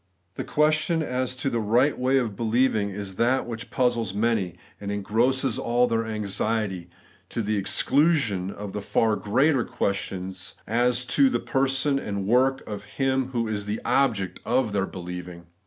The question as to the right way of believing is that which puzzles many, and engrosses all their anxiety, to the exclusion of the far greater questions as to the person and work of Him who is the object of their beUeving.